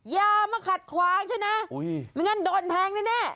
อย่ามาขัดขวางใช่ไหมไม่งั้นโดนแทงแน่